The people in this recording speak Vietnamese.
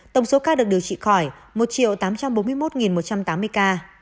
tổng số ca được điều trị khỏi một tám trăm bốn mươi một một trăm tám mươi ca